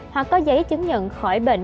hoặc có giấy chứng nhận khỏi bệnh